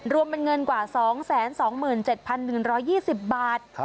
รวมเป็นเงินกว่า๒๒๗๑๒๐บาท